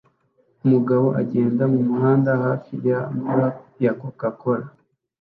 Umugabo agenda mumuhanda hafi ya mural ya Coca Cola